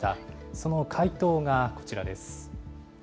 その回答がこちらです。